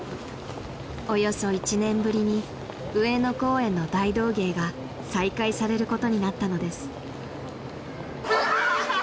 ［およそ１年ぶりに上野公園の大道芸が再開されることになったのです］